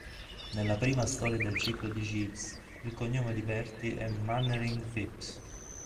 Nella prima storia del ciclo di Jeeves, il cognome di Bertie è Mannering-Phipps.